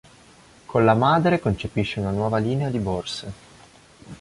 Con la madre concepisce una nuova linea di borse.